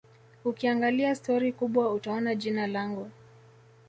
Ukiangalia stori kubwa utaona jina langu